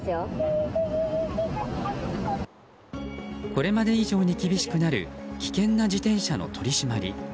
これまで以上に厳しくなる危険な自転車の取り締まり。